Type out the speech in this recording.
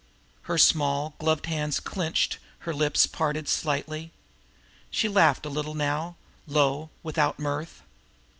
Her small, gloved hands clenched, her lips parted slightly. She laughed a little now, low, without mirth.